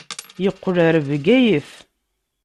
Yeqqel ɣer Bgayet.